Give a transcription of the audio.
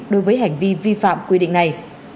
đối với hành vi vi phạm quy định này